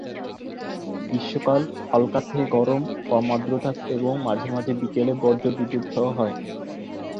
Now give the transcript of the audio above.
গ্রীষ্মকাল হালকা থেকে গরম, কম আর্দ্রতা এবং মাঝে মাঝে বিকেলে বজ্রবিদ্যুৎসহ হয়।